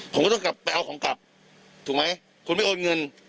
ผมก็ต้องกลับไปเอาของกลับถูกไหมคุณไม่โอนเงิน